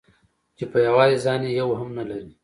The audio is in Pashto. چې په يوازې ځان يې يو هم نه لري.